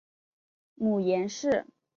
母阎氏。